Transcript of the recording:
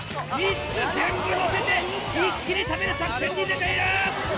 ３つ全部のせて一気に食べる作戦に出ている。